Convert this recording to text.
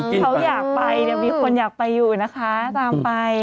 เขาอยากไปมีคนอยากไปอยู่นะคะตามไป